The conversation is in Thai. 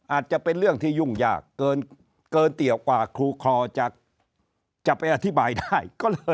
อาจจะเป็นเรื่องที่ยุ่งยากเกินเตี่ยวกว่าครูคอจะไปอธิบายได้